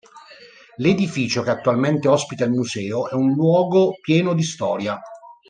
L'edificio che attualmente ospita il museo, è un luogo pieno di storia.